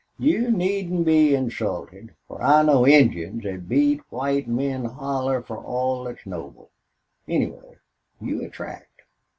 You needn't be insulted, fer I know Injuns thet beat white men holler fer all thet's noble. Anyway, you attract.